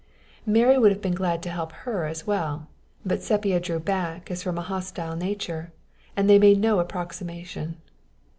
Mary would have been glad to help her as well, but Sepia drew back as from a hostile nature, and they made no approximation.